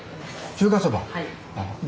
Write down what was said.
中華そば。